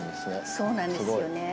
そうなんですよね。